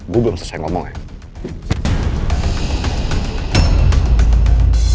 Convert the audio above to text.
bu belum selesai ngomong ya